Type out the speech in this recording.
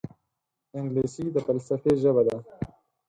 انګلیسي د فلسفې ژبه ده